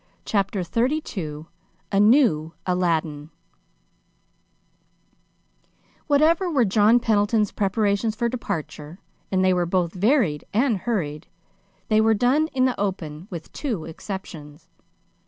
CHAPTER XXXII A NEW ALADDIN Whatever were John Pendleton's preparations for departure and they were both varied and hurried they were done in the open, with two exceptions.